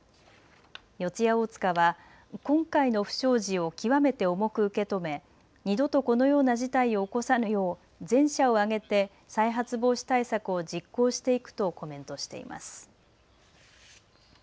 四谷大塚は今回の不祥事を極めて重く受け止め、二度とこのような事態を起こさぬよう全社を挙げて再発防止対策を実行していくとコメントしています。